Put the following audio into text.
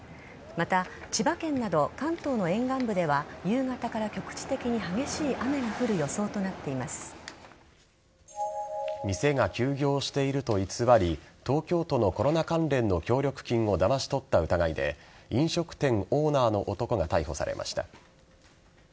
また千葉県など関東の沿岸部では夕方から局地的に激しい雨が降る店が休業していると偽り東京都のコロナ関連の協力金をだまし取った疑いで飲食店オーナーの男が逮捕されました。